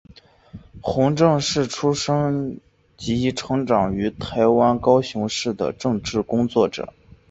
洪正是出生及成长于台湾高雄市的政治工作者。